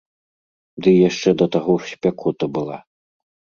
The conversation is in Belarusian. Ды яшчэ да таго ж спякота была.